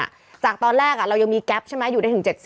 จากตอนแรกเรายังมีแก๊ปใช่ไหมอยู่ได้ถึง๗๐